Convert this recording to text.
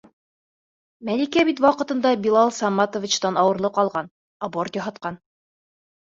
Мәликә бит ваҡытында Билал Саматовичтан ауырлы ҡалған, аборт яһатҡан!..